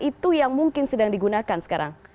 itu yang mungkin sedang digunakan sekarang